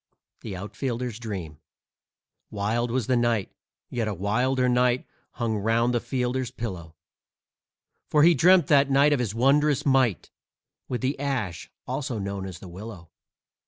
THE OUTFIELDER'S DREAM Wild was the night, yet a wilder night Hung 'round the fielder's pillow, For he dreamt that night of his wondrous might With the ash, also known as the willow.